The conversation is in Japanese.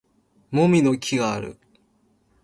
もみの木がある